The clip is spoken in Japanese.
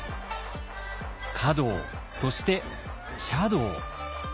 華道そして茶道。